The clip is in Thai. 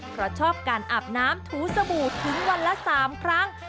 เพราะชอบการอาบน้ำถูสบู่ถึงวันละ๓ครั้ง